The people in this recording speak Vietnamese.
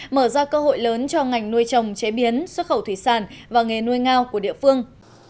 mở ra cơ hội lớn cho ngành nuôi trồng chế biến xuất khẩu thủy sản và nghề nuôi ngao của địa phương